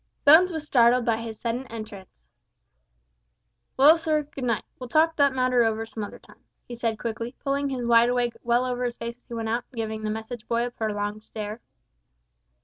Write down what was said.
Bones was startled by his sudden entrance. "Well, good night, sir, we'll talk that matter over some other time," he said quickly, pulling his wideawake well over his face as he went out, and giving the message boy a prolonged stare.